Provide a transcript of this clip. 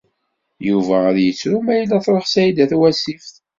Yuba ad yettru ma yella truḥ Saɛida Tawasift.